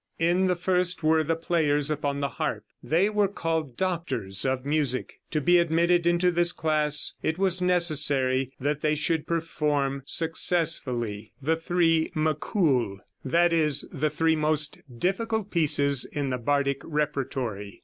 In the first were the players upon the harp; they were called doctors of music. To be admitted into this class it was necessary that they should perform successfully the three Mwchwl that is, the three most difficult pieces in the bardic repertory.